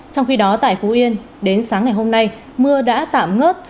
trong khi đó tại phú yên đến sáng ngày hôm nay mưa đã tạm ngớt